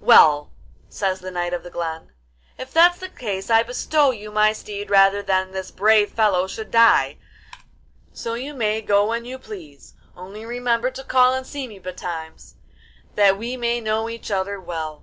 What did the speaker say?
'Well,' says the Knight of the Glen, 'if that's the case I bestow you my steed rather than this brave fellow should die; so you may go when you please, only remember to call and see me betimes, that we may know each other well.